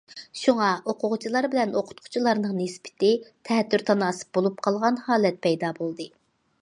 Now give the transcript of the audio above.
شۇڭا، ئوقۇغۇچىلار بىلەن ئوقۇتقۇچىلارنىڭ نىسبىتى تەتۈر تاناسىپ بولۇپ قالغان ھالەت پەيدا بولدى.